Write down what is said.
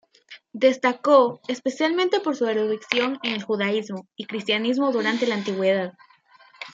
Destacó especialmente por su erudición en el judaísmo y cristianismo durante la Antigüedad.